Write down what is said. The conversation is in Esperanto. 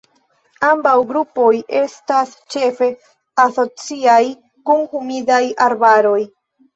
Ambaŭ grupoj estas ĉefe asociaj kun humidaj arbaroj.